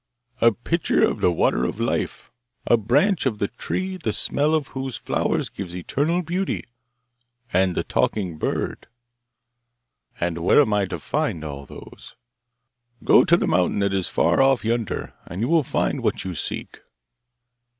'A pitcher of the water of life, a branch of the tree the smell of whose flowers gives eternal beauty, and the talking bird.' 'And where am I to find all those?' 'Go to the mountain that is far off yonder, and you will find what you seek.